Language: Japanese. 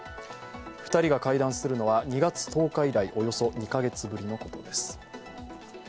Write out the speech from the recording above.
２人が会談するのは２月１０日以来およそ２カ月ぶりのことです。